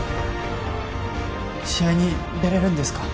試合に出れるんですか？